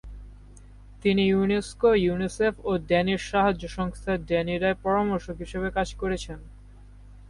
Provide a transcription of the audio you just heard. তিনি UNESCO, UNICEF ও Danish সাহায্য সংস্থা ড্যানিডায় পরামর্শক হিসেবে কাজ করেছেন।